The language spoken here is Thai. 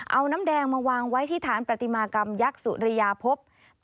เอาน้ำแดงมาวางไว้ที่ฐานปฏิมากรรมยักษ์สุริยาพบ